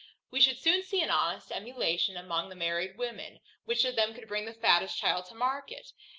We should soon see an honest emulation among the married women, which of them could bring the fattest child to the market.